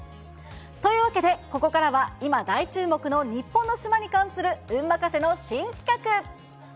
というわけで、ここからは今、大注目の日本の島に関する運任せの新企画。